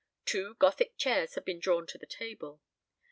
Two Gothic chairs had been drawn to the table.